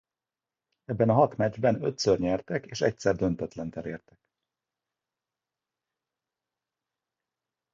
Ebben a hat meccsben ötször nyertek és egyszer döntetlen elértek.